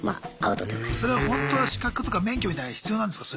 それはホントは資格とか免許みたいの必要なんですか？